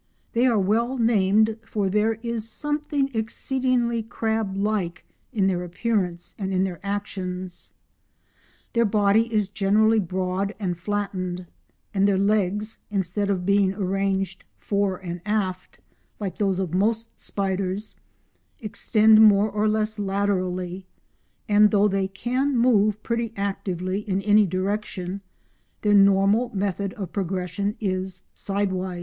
They are well named, for there is something exceedingly crab like in their appearance and in their actions. Their body is generally broad and flattened, and their legs, instead of being arranged fore and aft, like those of most spiders, extend more or less laterally, and though they can move pretty actively in any direction their normal method of progression is sideways.